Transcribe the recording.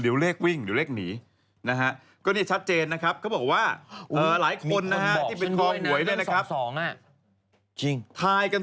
เดี๋ยวเลขวิ่งดูเลขหนีนะฮะก็นี่ชัดเจนนะครับเขาบอกว่า